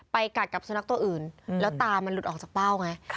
กัดกับสุนัขตัวอื่นแล้วตามันหลุดออกจากเป้าไง